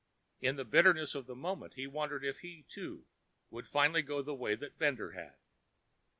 In the bitterness of the moment, he wondered if he, too, would finally go the way that Bender had.